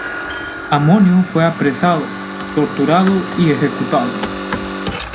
Amonio fue apresado, torturado y ejecutado.